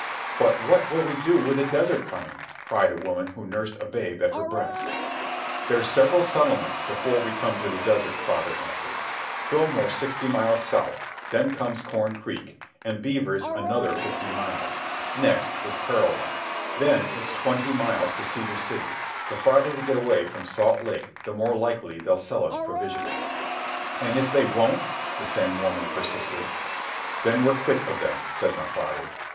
"But what will we do with the desert coming?" cried a woman who nursed a babe at her breast. "There's several settlements before we come to the desert," father answered. "Fillmore's sixty miles south. Then comes Corn Creek. And Beaver's another fifty miles. Next is Parowan. Then it's twenty miles to Cedar City. The farther we get away from Salt Lake the more likely they'll sell us provisions." "And if they won't?" the same woman persisted. "Then we're quit of them," said my father.